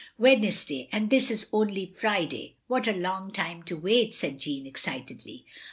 "Wednesday, and this is only Friday. What a long time to wait," said Jeanne, excitedly.